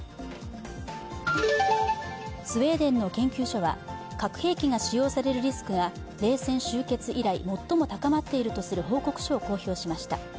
スウェーデンの研究所は核兵器が使用されるリスクが冷戦終結以来、最も高まっているとする報告書を公表しました。